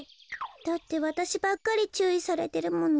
だってわたしばっかりちゅういされてるもの。